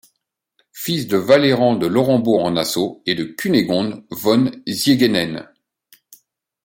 Fils de Valéran de Laurenbourg en Nassau et de Cunégonde von Ziegenhain.